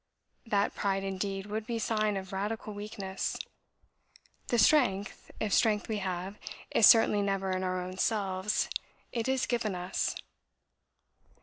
That pride, indeed, would be sign of radical weakness. The strength, if strength we have, is certainly never in our own selves; it is given us."